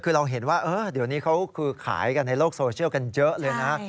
คือเราเห็นว่าเดี๋ยวนี้เขาคือขายกันในโลกโซเชียลกันเยอะเลยนะ